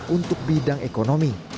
untuk bidang ekonomi